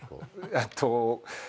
えっと。